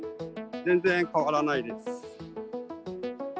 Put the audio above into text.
全然変わらないです。